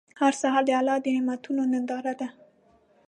هر سهار د الله د نعمتونو ننداره ده.